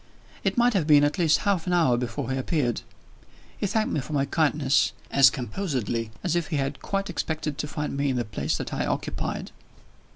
It must have been at least half an hour before he appeared. He thanked me for my kindness, as composedly as if he had quite expected to find me in the place that I occupied.